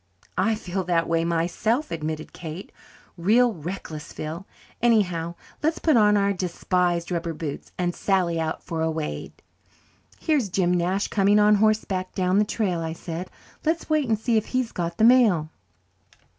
"I feel that way myself," admitted Kate. "Real reckless, Phil. Anyhow, let's put on our despised rubber boots and sally out for a wade." "Here's Jim Nash coming on horseback down the trail," I said. "Let's wait and see if he's got the mail."